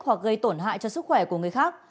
hoặc gây tổn hại cho sức khỏe của người khác